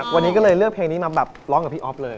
วันนี้ก็เลยเลือกเพลงนี้มาแบบร้องกับพี่อ๊อฟเลย